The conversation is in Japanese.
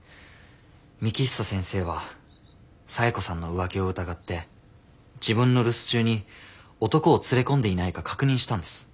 幹久先生は冴子さんの浮気を疑って自分の留守中に男を連れ込んでいないか確認したんです。